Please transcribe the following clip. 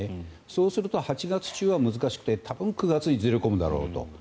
そうすると、８月中は難しくて多分、９月にずれ込むだろうと。